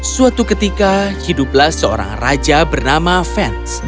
suatu ketika hiduplah seorang raja bernama fans